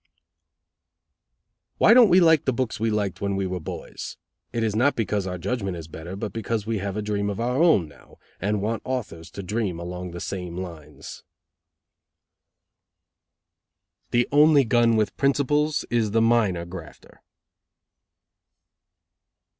"Why don't we like the books we liked when we were boys? It is not because our judgment is better, but because we have a dream of our own now, and want authors to dream along the same lines." "The only gun with principles is the minor grafter."